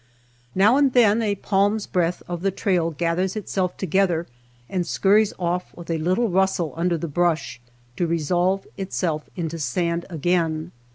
Now and then a palm's breadth of the trail gathers itself together and scurries off with a little rustle under the brush, to resolve itself into sand again.